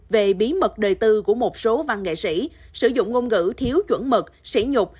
về bí mật đời tư của một số văn nghệ sĩ sử dụng ngôn ngữ thiếu chuẩn mực sĩ nhục